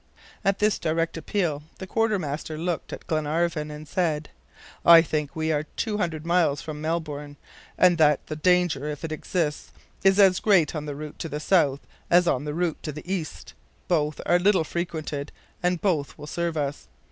At this direct appeal, the quartermaster looked at Glenarvan, and said, "I think we are two hundred miles from Melbourne, and that the danger, if it exists, is as great on the route to the south as on the route to the east. Both are little frequented, and both will serve us.